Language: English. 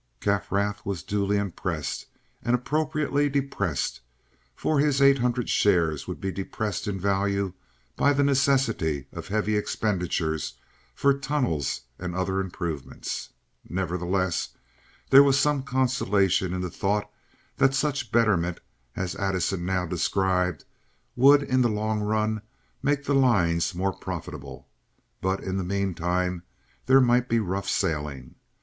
Kaffrath was duly impressed and appropriately depressed, for his eight hundred shares would be depressed in value by the necessity of heavy expenditures for tunnels and other improvements. Nevertheless, there was some consolation in the thought that such betterment, as Addison now described, would in the long run make the lines more profitable. But in the mean time there might be rough sailing.